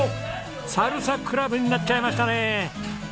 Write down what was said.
サルサクラブになっちゃいましたね！